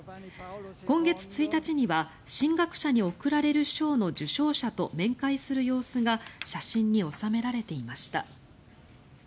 今月１日には神学者に贈られる賞の受賞者と面会する様子が写真に収められていました。